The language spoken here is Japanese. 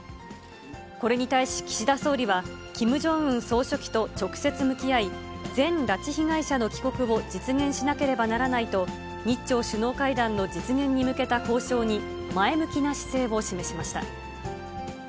これに対し、岸田総理は、キム・ジョンウン総書記と直接向き合い、全拉致被害者の帰国を実現しなければならないと、日中首脳会談の実現に向けた交渉に、前向きな姿勢を示しました。